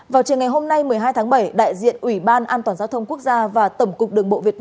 vào chiều ngày hôm nay một mươi hai tháng bảy đại diện ủy ban an toàn giao thông quốc gia và tổng cục đường bộ việt nam